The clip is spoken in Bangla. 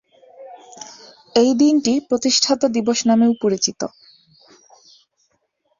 এই দিনটি প্রতিষ্ঠাতা দিবস নামেও পরিচিত।